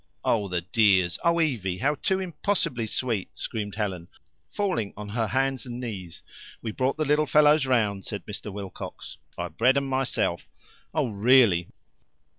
"Oh, the dears! Oh, Evie, how too impossibly sweet!" screamed Helen, falling on her hands and knees. "We brought the little fellows round," said Mr. Wilcox. "I bred 'em myself." "Oh, really!